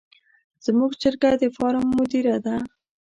زموږ چرګه د فارم مدیره ده.